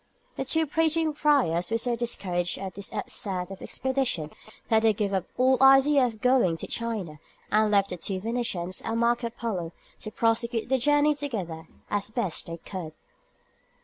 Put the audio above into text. The two preaching friars were so discouraged at this outset of the expedition that they gave up all idea of going to China, and left the two Venetians and Marco Polo to prosecute the journey together as best they could.